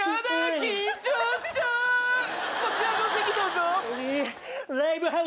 こちらのお席どうぞ。